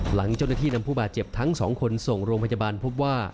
หลังเจ้าหน้าที่นำผู้บาดเจ็บทั้งสองคนส่งโรงพยาบาลพบว่า